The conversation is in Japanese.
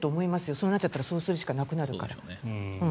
そうなったらそうするしかなくなる。